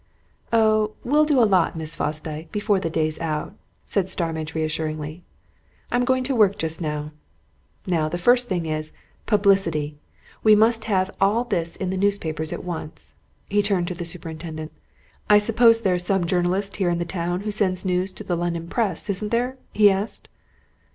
"Oh, we'll do a lot, Miss Fosdyke, before the day's out," said Starmidge reassuringly. "I'm going to work just now. Now, the first thing is, publicity! We must have all this in the newspapers at once." He turned to the superintendent. "I suppose there's some journalist here in the town who sends news to the London press, isn't there?" he asked.